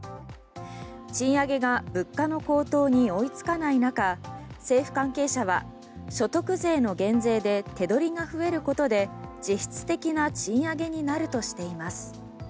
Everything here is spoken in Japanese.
賃上げが物価の高騰に追い付かない中、政府関係者は所得税の減税で手取りが増えることで実質的な賃上げになるとしています。